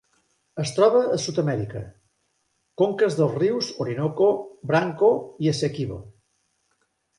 Es troba a Sud-amèrica: conques dels rius Orinoco, Branco i Essequibo.